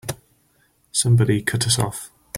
Somebody cut us off!